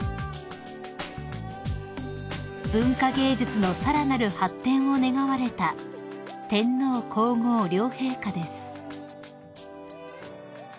［文化芸術のさらなる発展を願われた天皇皇后両陛下です］